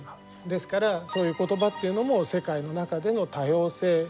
ですからそういうことばっていうのも世界の中での多様性